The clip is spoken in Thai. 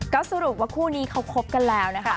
ก็สรุปว่าคู่นี้เขาคบกันแล้วนะคะ